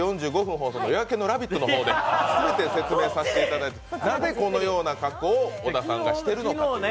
放送の「夜明けのラヴィット！」ですべて説明させていただいてなぜこのような格好を小田さんがしているのか。